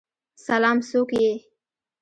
سلام، څوک یی؟